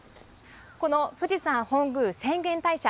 この富士山本宮浅間大社